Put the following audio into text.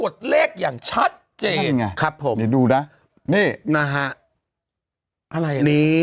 ตั้งแต่กู้อะไร